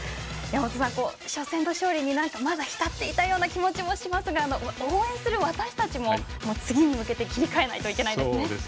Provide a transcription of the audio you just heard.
山本さん、初戦の勝利にまだ浸っていたいような気もしますが応援する私たちも次に向けて切り替えないといけないですね。